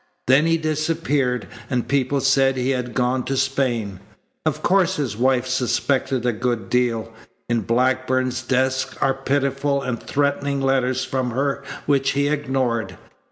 Then he disappeared, and people said he had gone to Spain. Of course his wife suspected a good deal. In Blackburn's desk are pitiful and threatening letters from her which he ignored.